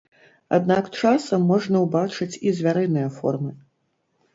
Аднак часам можна ўбачыць і звярыныя формы.